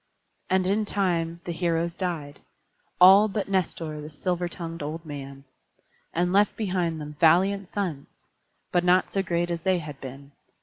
And in time the heroes died, all but Nestor the silver tongued old man; and left behind them valiant sons, but not so great as they had been.